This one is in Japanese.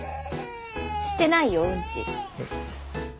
してないようんち。